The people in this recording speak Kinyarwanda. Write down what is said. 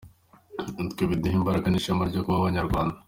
Natwe biduha imbaraga n’ishema ryo kuba Abanyarwanda.